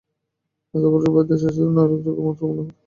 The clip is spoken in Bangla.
এতে খরচ বাদ দিয়ে চাষিদের নয় লাখ টাকার মতো মুনাফা থাকে।